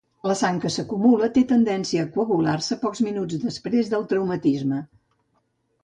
La sang que s'acumula té la tendència de coagular-se pocs minuts després del traumatisme.